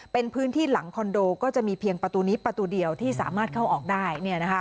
เป็นพื้นที่หลังคอนโดก็จะมีเพียงประตูนี้ประตูเดียวที่สามารถเข้าออกได้